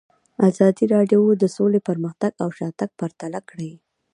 ازادي راډیو د سوله پرمختګ او شاتګ پرتله کړی.